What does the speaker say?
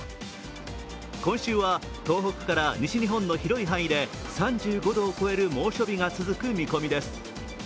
今週は東北から西日本の広い範囲で３５度を超える猛暑日が続く見込みです。